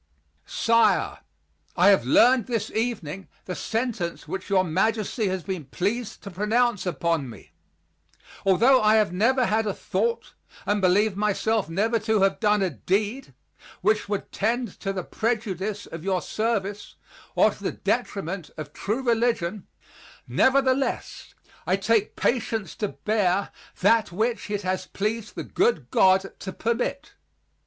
"Sire I have learned this evening the sentence which your majesty has been pleased to pronounce upon me. Although I have never had a thought, and believe myself never to have done a deed, which would tend to the prejudice of your service, or to the detriment of true religion, nevertheless I take patience to bear that which it has pleased the good God to permit.